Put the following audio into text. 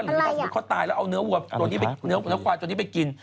หรือถ้าสมมุติเขาตายแล้วเอาเนื้อขวายจนที่ไปกิน